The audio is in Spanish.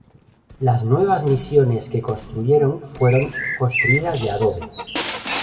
Las nuevas misiones que construyeron fueron construidas de adobe.